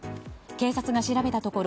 警察が調べたところ